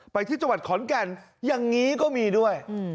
ไปที่จังหวัดขอนแก่นอย่างนี้ก็มีด้วย